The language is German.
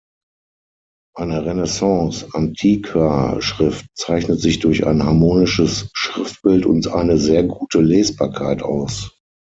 Eine Renaissance-Antiqua-Schrift zeichnet sich durch ein harmonisches Schriftbild und eine sehr gute Lesbarkeit aus.